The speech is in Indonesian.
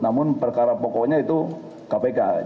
namun perkara pokoknya itu kpk